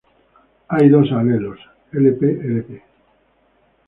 Hay dos alelos: Lp, lp.